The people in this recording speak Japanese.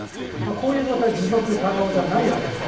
こういう状態を持続可能じゃないわけです。